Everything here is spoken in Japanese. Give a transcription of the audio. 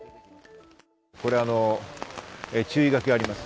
これ、注意書きがあります。